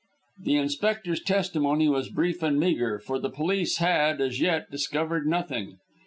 The inspector's testimony was brief and meagre, for the police had, as yet, discovered nothing.